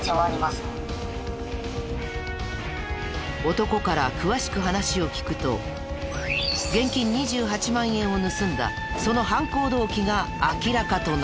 男から詳しく話を聞くと現金２８万円を盗んだその犯行動機が明らかとなった。